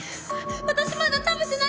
私まだ食べてないんです。